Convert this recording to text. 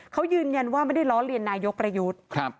เขายืนยันว่าไม่ได้ล้อเลียนนายกประยุทธ์